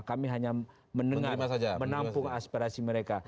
kami hanya mendengar menampung aspirasi mereka